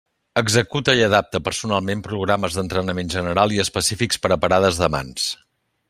Executa i adapta personalment programes d'entrenament general i específics per a parades de mans.